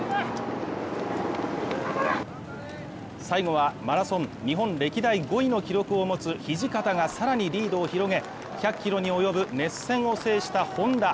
最後はマラソン日本歴代５位の記録を持つ土方が更にリードを広げ、１００ｋｍに及ぶ熱戦を制したＨｏｎｄａ。